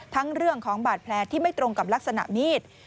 เรื่องของบาดแผลที่ไม่ตรงกับลักษณะมีด